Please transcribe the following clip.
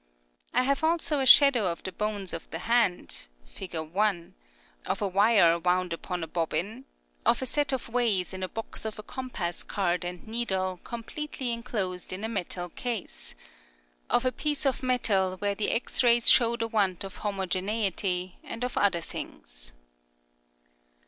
I have also a shadow of the bones of the hand (Fig. 1); of a wire wound upon a bobbin; of a set of weights in a box of a compass card and needle completely enclosed in a metal case ; of a piece of metal where the X rays show the want of homogeneity, and of other things.